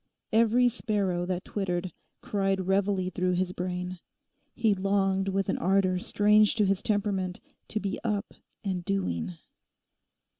Every sparrow that twittered cried reveille through his brain. He longed with an ardour strange to his temperament to be up and doing.